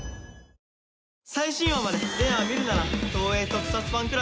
最新話まで全話見るなら東映特撮ファンクラブＴＥＬＡＳＡで。